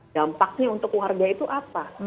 dampaknya untuk warga itu apa